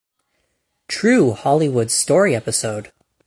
True Hollywood Story episode.